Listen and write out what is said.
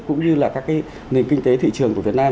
cũng như là các cái nền kinh tế thị trường của việt nam